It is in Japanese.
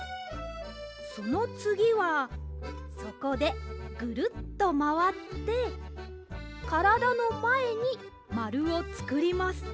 そのつぎはそこでぐるっとまわってからだのまえにまるをつくります。